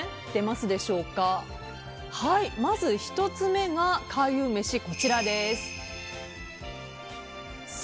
まず１つ目が開運メシ、こちらです。